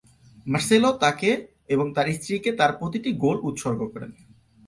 Marcelo তাকে এবং তার স্ত্রীকে তার প্রতিটি গোল উৎসর্গ করেন।